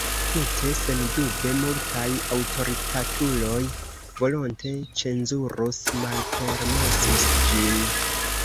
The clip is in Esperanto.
Tute sendube multaj aŭtoritatuloj volonte cenzurus, malpermesus ĝin.